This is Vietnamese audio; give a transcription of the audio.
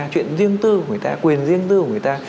chuyện riêng tư của người ta quyền riêng tư của người ta